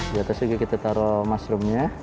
di atas juga kita taruh mushroomnya